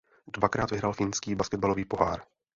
Dvakrát vyhrál Finský basketbalový pohár.